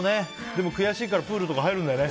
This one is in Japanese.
でも、悔しいからプールとか入るんだよね。